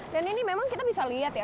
dan ini memang kita bisa lihat ya